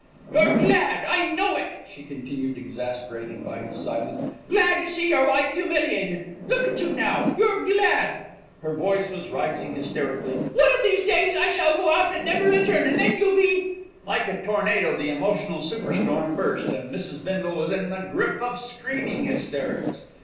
"You're glad, I know it," she continued, exasperated by his silence. "Glad to see your wife humiliated. Look at you now! You're glad." Her voice was rising hysterically. "One of these days I shall go out and never return, and then you'll be " Like a tornado the emotional super storm burst, and Mrs. Bindle was in the grip of screaming hysterics.